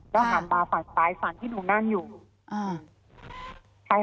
เราหาบระฝันซ้ายฝ่านที่หนูนั่งอยู่คุณสิริราต